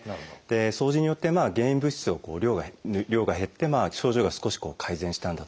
掃除によって原因物質の量が減って症状が少し改善したんだと思います。